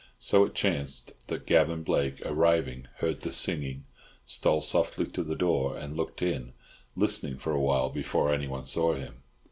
So it chanced that Gavan Blake, arriving, heard the singing, stole softly to the door, and looked in, listening for a while, before anyone saw him.